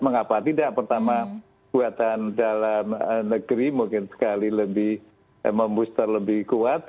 mengapa tidak pertama buatan dalam negeri mungkin sekali lebih membooster lebih kuat